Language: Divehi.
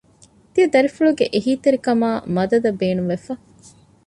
ތިޔަދަރިފުޅުގެ އެހީތެރިކަމާއި މަދަދަށް ބޭނުންވެފަ